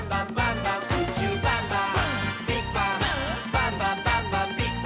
「バンバンバンバンビッグバン！」